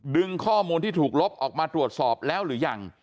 ดึงข้อมูลที่ถูกลบออกมาตรวจสอบแล้วหรือยัง